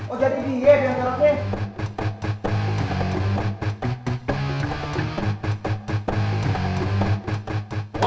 oh jadi dia yang nyarapnya